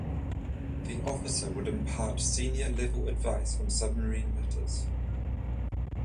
The officer would impart senior level advice on submarine matters.